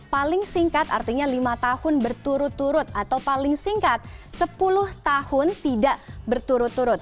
paling singkat artinya lima tahun berturut turut atau paling singkat sepuluh tahun tidak berturut turut